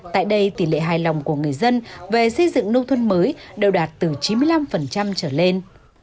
tại đây tỷ lệ hài lòng của người dân về xây dựng nông thôn mới đều đạt từ chín mươi năm trở lên